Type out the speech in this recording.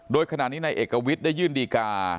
โดยขณะนี้นายเอกวิทย์ได้ยื่นดีกา